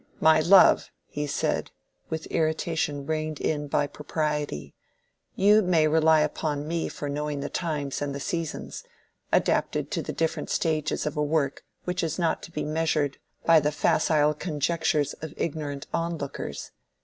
"My love," he said, with irritation reined in by propriety, "you may rely upon me for knowing the times and the seasons, adapted to the different stages of a work which is not to be measured by the facile conjectures of ignorant onlookers.